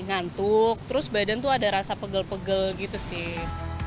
ngantuk terus badan tuh ada rasa pegel pegel gitu sih